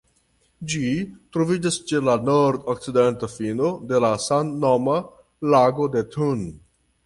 Ĝi troviĝas ĉe la nord-okcidenta fino de la samnoma Lago de Thun.